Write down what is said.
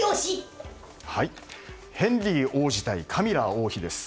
ヘンリー王子対カミラ王妃です。